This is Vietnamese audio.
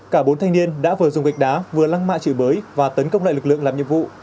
cả bốn thanh niên đã vừa dùng gạch đá vừa lăng mạ chửi bới và tấn công lại lực lượng làm nhiệm vụ